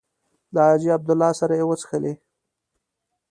له حاجي عبدالله سره یې وڅښلې.